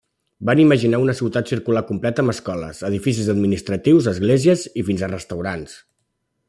Van imaginar una ciutat circular completa amb escoles, edificis administratius, esglésies i fins a restaurants.